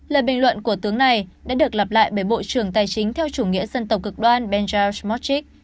lời bình luận của tướng này đã được lặp lại bởi bộ trưởng tài chính theo chủ nghĩa dân tộc cực đoan benja smartrick